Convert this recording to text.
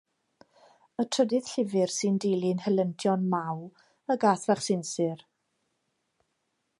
Y trydydd llyfr sy'n dilyn helyntion Maw, y gath fach sinsir.